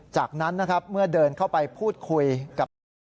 จากนั้นเมื่อเดินเข้าไปพูดคุยกับ